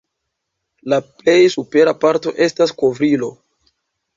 La plej supera parto estas kovrilo.